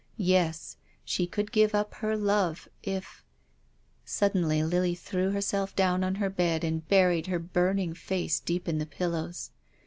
Yes, she could give up her love, — if —. Suddenly Lily threw herself down on her bed and buried her burning face deep in the pillows.